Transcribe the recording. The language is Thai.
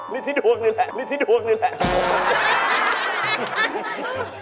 ฤทธิดวงฤทธินึงแหละฤทธิดวงฤทธินึงแหละ